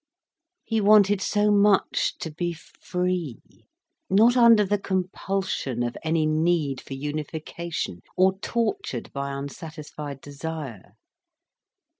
He wanted so much to be free, not under the compulsion of any need for unification, or tortured by unsatisfied desire.